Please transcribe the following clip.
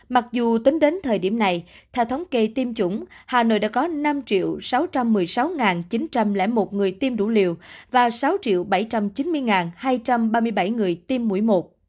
mặc dù tính đến thời điểm này theo thống kê tiêm chủng hà nội đã có năm sáu trăm một mươi sáu chín trăm linh một người tiêm đủ liều và sáu bảy trăm chín mươi hai trăm ba mươi bảy người tiêm mũi một